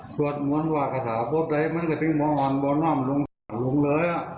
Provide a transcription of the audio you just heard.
สวดม้วนหว่ากระสาวพบเลยมันก็จะเป็นม้องหอนม้องน้ำลงลงเลยอ่ะ